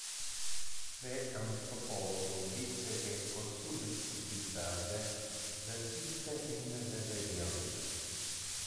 Le anthropologo dice que costumes bizarre persiste in le region.